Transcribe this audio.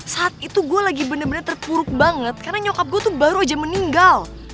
saat itu gue lagi bener bener terpuruk banget karena nyokap gue tuh baru aja meninggal